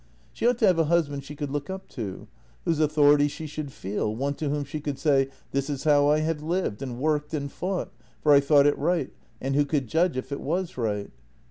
She ought to have a husband she could look up to, whose author ity she should feel, one to whom she could say: This is how I have lived and worked and fought, for I thought it right, and who could judge if it was right?